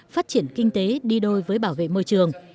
phát triển kinh tế đi đôi với bảo vệ môi trường